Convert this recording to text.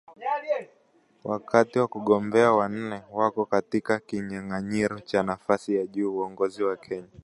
Wakati wagombea wanne wako katika kinyang’anyiro cha nafasi ya juu ya uongozi Kenya